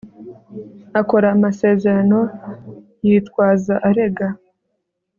akora amasezerano yitwaza arega